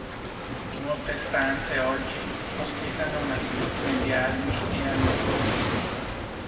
Molte stanze oggi ospitano una collezione di armi e armature.